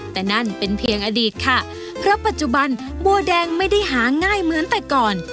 แต่นั่นเป็นเพียงอดีตค่ะเพราะปัจจุบันบัวแดงไม่ได้หาง่ายเหมือนแต่ก่อน